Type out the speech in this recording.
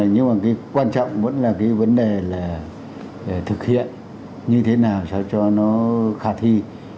nhưng mà quan trọng vẫn là cái vấn đề là thực hiện như thế nào cho nó khả thi